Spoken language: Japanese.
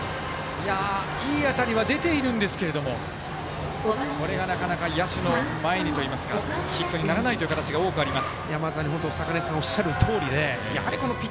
いい当たりは出ているんですがこれがなかなか、野手の前にというかヒットにならない形が多くあります。